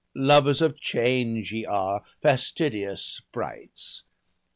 Lovers of change ye are, fastidious sprites.